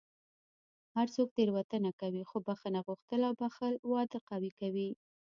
هر څوک تېروتنه کوي، خو بښنه غوښتل او بښل واده قوي کوي.